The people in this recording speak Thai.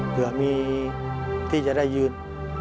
เพื่อมีที่จะได้ยืน